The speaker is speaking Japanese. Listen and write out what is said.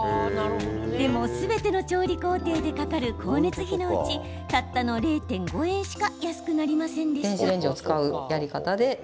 でも、すべての調理工程でかかる光熱費のうちたったの０．５円しか安くなりませんでした。